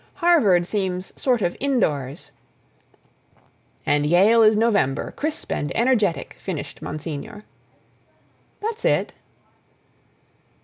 Harvard seems sort of indoors—" "And Yale is November, crisp and energetic," finished Monsignor. "That's it."